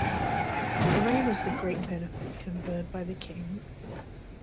The rain is the great benefit conferred by the king.